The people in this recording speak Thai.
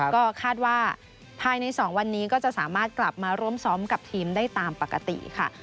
ก็คาดว่าภายใน๒วันนี้ก็จะสามารถกลับมาร่วมซ้อมกับทีมได้ตามปกติค่ะ